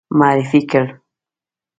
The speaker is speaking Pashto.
معرفي کړ.